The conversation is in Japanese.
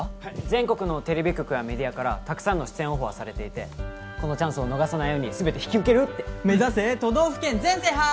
全国のテレビ局やメディアからたくさんの出演オファーされていてこのチャンスを逃さないように全て引き受けるって目指せ都道府県全制覇！